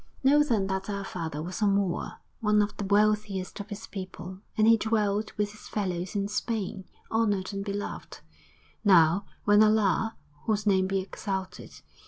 'Know then that our father was a Moor, one of the wealthiest of his people, and he dwelt with his fellows in Spain, honoured and beloved. Now, when Allah whose name be exalted!